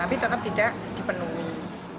tapi tetap tidak dipenuhi